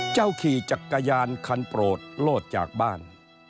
ขี่จักรยานคันโปรดโลดจากบ้าน